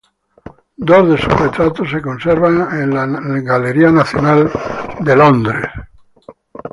Dos de sus retratos se conservan en la National Gallery de Londres.